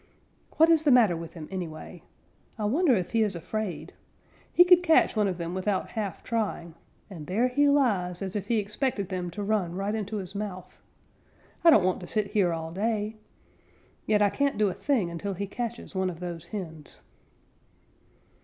"What is the matter with him, anyway? I wonder if he is afraid. He could catch one of them without half trying, and there he lies as if he expected them to run right into his mouth. I don't want to sit here all day. Yet I can't do a thing until he catches one of those hens."